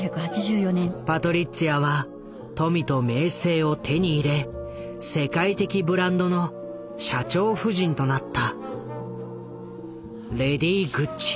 パトリッツィアは富と名声を手に入れ世界的ブランドの社長夫人となった。